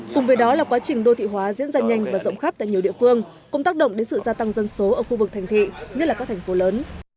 cùng với đó là quá trình đô thị hóa diễn ra nhanh và rộng khắp tại nhiều địa phương cũng tác động đến sự gia tăng dân số ở khu vực thành thị nhất là các thành phố lớn